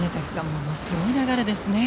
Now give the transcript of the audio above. ものすごい流れですね。